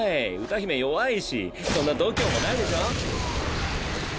歌姫弱いしそんな度胸もないでしょ。